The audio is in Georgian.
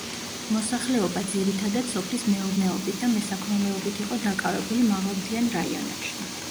მოსახლეობა ძირითადად სოფლის მეურნეობით და მესაქონლეობით იყო დაკავებული მაღალმთიან რაიონებში.